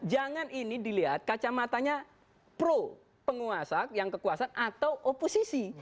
jangan ini dilihat kacamatanya pro penguasa yang kekuasaan atau oposisi